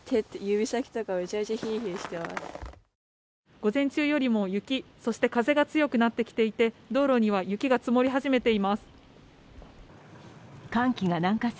午前中よりも、雪、風が強くなってきていて道路には雪が積もり始めています。